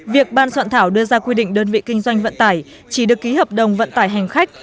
việc ban soạn thảo đưa ra quy định đơn vị kinh doanh vận tải chỉ được ký hợp đồng vận tải hành khách